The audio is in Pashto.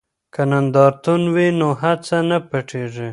که نندارتون وي نو هڅه نه پټیږي.